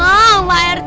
wah pak rt